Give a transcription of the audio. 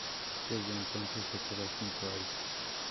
Desde entonces, se quedó junto a ella.